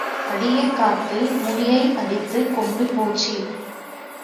அடியைக் காத்து முடியை அடித்துக் கொண்டு போச்சு.